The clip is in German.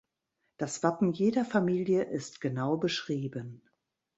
Das Wappen jeder Familie ist genau beschrieben.